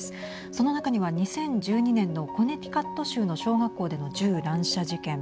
その中には２０１２年のコネティカット州の小学校での銃乱射事件。